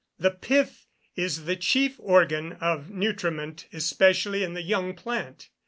_ The pith is the chief organ of nutriment, especially in the young plant.